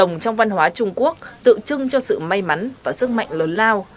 rồng trong văn hóa trung quốc tượng trưng cho sự may mắn và sức mạnh lớn lao